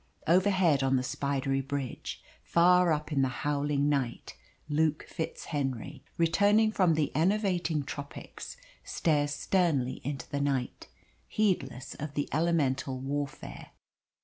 Overhead, on the spidery bridge, far up in the howling night, Luke FitzHenry, returning from the enervating tropics, stares sternly into the night, heedless of the elemental warfare.